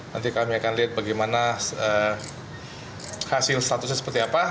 nanti kami akan lihat bagaimana hasil statusnya seperti apa